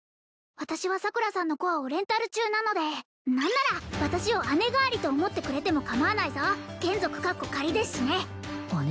私は桜さんのコアをレンタル中なので何なら私を姉代わりと思ってくれてもかまわないぞ眷属ですしね姉？